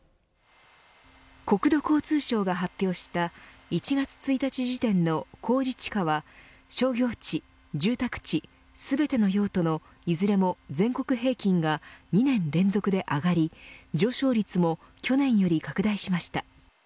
国土交通省が発表した１月１日時点の公示地価は商業地、住宅地全ての用途の、いずれも全国平均が２年連続で上がり上昇率も去年より拡大しました。